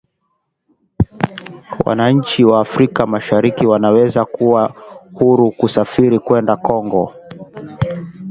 Wananchi wa Afrika Mashariki wanaweza kuwa huru kusafiri kwenda Kongo